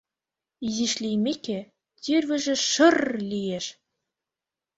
Изиш лиймеке, тӱрвыжӧ шыр-р лиеш.